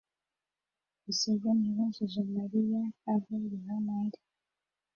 Museveni yabajije Mariya aho Yohana ari.